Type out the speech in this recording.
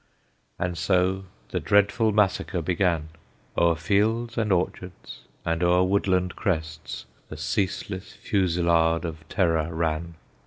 And so the dreadful massacre began; O'er fields and orchards, and o'er woodland crests, The ceaseless fusillade of terror ran.